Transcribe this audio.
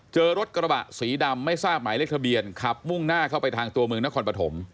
เจอรถกระบะสีดำไม่ทราบหมายเลขทะเบียนขับมุ่งหน้าเข้าไปทางตัวเมืองนครปฐม